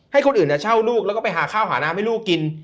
ให้คนอื่นเช่าลูกแล้วก็ไปหาข้าวหาน้ำให้ลูกกิน